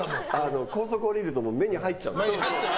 高速降りると目に入っちゃうんですよ。